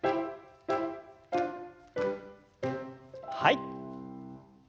はい。